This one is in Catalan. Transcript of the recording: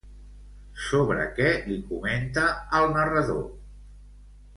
Sobre què li comenta al narrador?